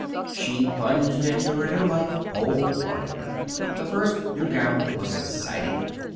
She plunged into her new life whole heartedly. The first new gown was exciting.